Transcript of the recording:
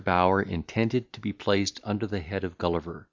BOWYER INTENDED TO BE PLACED UNDER THE HEAD OF GULLIVER.